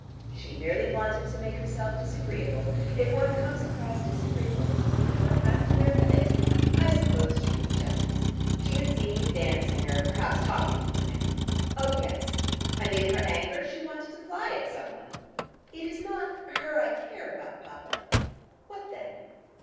"She merely wanted to make herself disagreeable. If one comes across disagreeable people one has to bear with it. I suppose she was jealous. She had seen you dancing or perhaps talking with the man." "Oh, yes." "And in her anger she wanted to fly at some one." "It is not her I care about, papa." "What then?"